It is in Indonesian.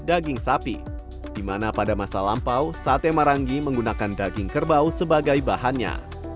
daging sapi di mana pada masa lampau sate marangi menggunakan daging kerbau sebagai bahannya